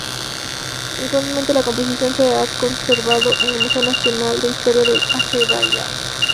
Actualmente la composición se conserva en el Museo Nacional de Historia de Azerbaiyán.